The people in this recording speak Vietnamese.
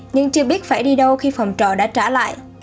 nhưng chưa biết phải đi đâu khi phòng trọ đã trả lại